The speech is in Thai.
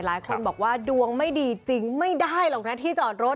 หลายคนบอกว่าดวงไม่ดีจริงไม่ได้หรอกนะที่จอดรถ